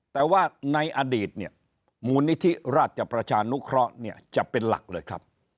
แต่ว่าในอดีตมุณิธิราชประชานุเคราะห์จะเป็นหลักเลยครับ